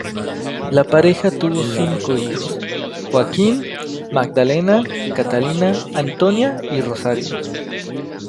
La pareja tuvo cinco hijos: Joaquín, Magdalena, Catalina, Antonia y Rosario.